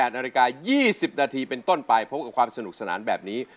นาฬิกา๒๐นาทีเป็นต้นไปพบกับความสนุกสนานแบบนี้